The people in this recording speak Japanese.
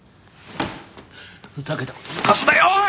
ふざけたことぬかすなよおい！